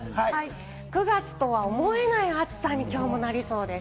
９月とは思えない暑さにきょうもなりそうです。